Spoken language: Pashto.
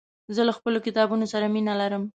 زه له خپلو کتابونو سره مينه لرم.